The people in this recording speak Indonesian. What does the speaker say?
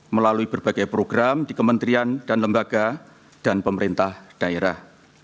melalui berbagai program di kementerian dan lembaga dan pemerintah daerah